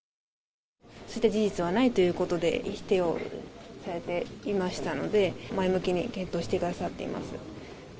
そういった事実はないということで、否定をされていましたので、前向きに検討してくださっています。